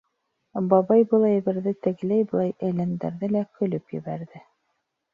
Бабай был әйберҙе тегеләй-былай әйләндерҙе лә көлөп ебәрҙе.